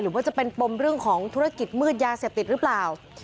ว่าจะเป็นปมเรื่องของธุรกิจมืดยาเสพติดหรือเปล่า